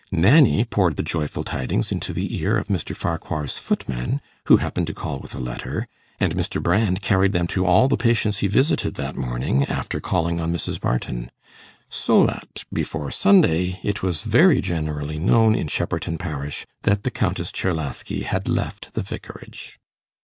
Nanny poured the joyful tidings into the ear of Mr. Farquhar's footman, who happened to call with a letter, and Mr. Brand carried them to all the patients he visited that morning, after calling on Mrs. Barton. So that, before Sunday, it was very generally known in Shepperton parish that the Countess Czerlaski had left the Vicarage.